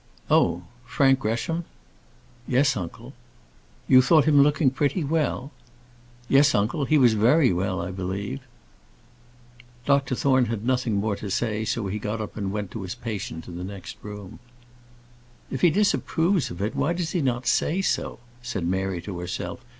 "Oh! Frank Gresham." "Yes, uncle." "You thought him looking pretty well?" "Yes, uncle; he was very well, I believe." Dr Thorne had nothing more to say, so he got up and went to his patient in the next room. "If he disapproves of it, why does he not say so?" said Mary to herself.